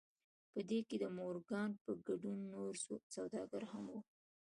په دې کې د مورګان په ګډون نور سوداګر هم وو